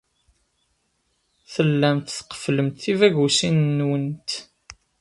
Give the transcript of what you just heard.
Tellamt tqefflemt tibagusin-nwent.